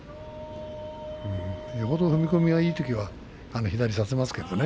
よほど踏み込みがいいときは左差せますけどね。